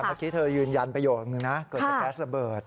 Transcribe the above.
เมื่อกี้เธอยืนยันประโยชน์หนึ่งนะเกิดแพร่แซ่บเบิร์ด